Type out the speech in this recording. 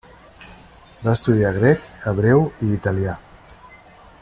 Va estudiar grec, hebreu i italià.